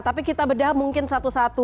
tapi kita bedah mungkin satu satu